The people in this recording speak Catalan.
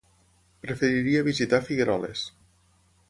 Preferiria visitar Figueroles.